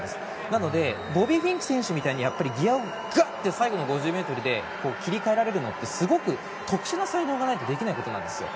なのでボビー・フィンク選手みたいにギアをガッと最後の５０ｍで切り替えられるのってすごく特殊な才能がないとできないことなんですよ。